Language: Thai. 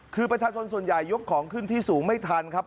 คือประชาชนส่วนใหญ่ยกของขึ้นที่สูงไม่ทันครับ